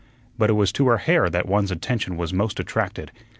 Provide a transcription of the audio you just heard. But it was to her hair that one's attention was most attracted.